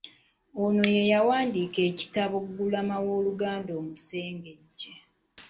Ono ye yawandiika ekitabo Ggulama w'Oluganda omusengejje